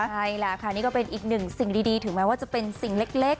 ใช่แหละค่ะนี่ก็เป็นอีกหนึ่งสิ่งดีถึงแม้ว่าจะเป็นสิ่งเล็ก